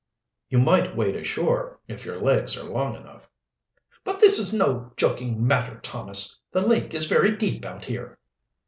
"You might wade ashore, if your legs are long enough." "But this is no joking matter, Thomas. The lake is very deep out here."